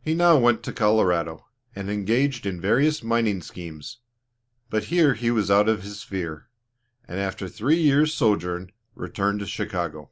He now went to Colorado, and engaged in various mining schemes, but here he was out of his sphere, and after a three years' sojourn, returned to Chicago.